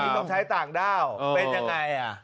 ต้องใช้ต่างด้าวเป็นยังไง